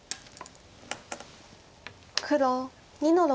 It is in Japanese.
黒２の六。